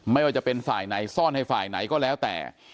ไม่ว่าจะเป็นฝ่ายไหนซ่อนให้ฝ่ายไหนก็แล้วแต่